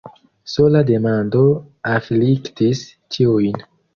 Sola demando afliktis ĉiujn.